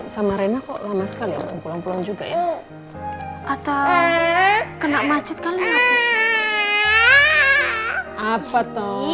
sama rena kok lama sekali pulang pulang juga ya atau kena macet kali ya apa tuh